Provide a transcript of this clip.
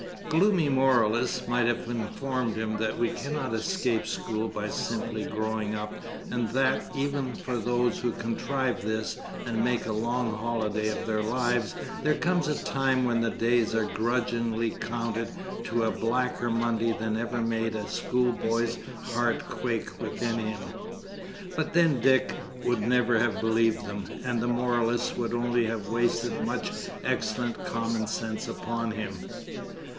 Gloomy moralists might have informed him that we cannot escape school by simply growing up, and that, even for those who contrive this and make a long holiday of their lives, there comes a time when the days are grudgingly counted to a blacker Monday than ever made a school boy's heart quake within him. But then Dick would never have believed them, and the moralists would only have wasted much excellent common sense upon him.